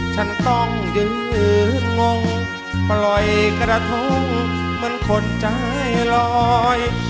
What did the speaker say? ฉันต้องยืนงงปล่อยกระทงเหมือนคนใจลอย